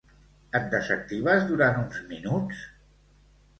Et desactives durant uns minuts?